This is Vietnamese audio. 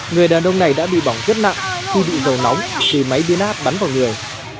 người đàn ông này đã bị bỏng rất nặng khi bị rời nóng thì máy biến áp bắn vào người